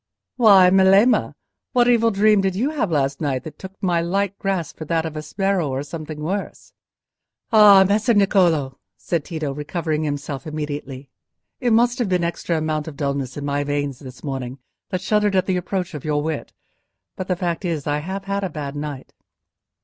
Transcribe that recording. "Why, Melema, what evil dream did you have last night, that you took my light grasp for that of a sbirro or something worse?" "Ah, Messer Niccolò!" said Tito, recovering himself immediately; "it must have been an extra amount of dulness in my veins this morning that shuddered at the approach of your wit. But the fact is, I have had a bad night."